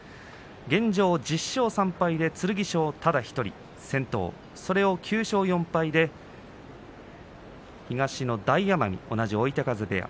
現状、１０勝３敗で剣翔ただ１人先頭それを９勝４敗で東の大奄美同じ追手風部屋